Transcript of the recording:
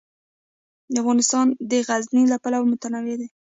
افغانستان د غزني له پلوه متنوع دی.